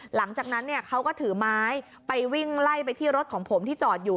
หลังจากนั้นเนี่ยเขาก็ถือไม้ไปวิ่งไล่ไปที่รถของผมที่จอดอยู่